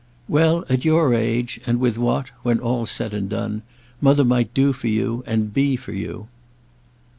"Well, at your age, and with what—when all's said and done—Mother might do for you and be for you."